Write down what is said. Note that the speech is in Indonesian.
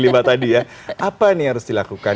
apa ini yang harus dilakukan